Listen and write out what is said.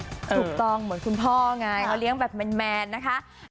ถูกต้องเหมือนคุณพ่อไงเขาเลี้ยงแบบแมนนะคะ